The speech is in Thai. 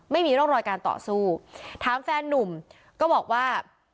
ไม่มีร่องรอยการต่อสู้ถามแฟนนุ่มก็บอกว่า